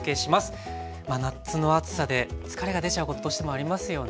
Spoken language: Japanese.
まあ夏の暑さで疲れが出ちゃうことどうしてもありますよね。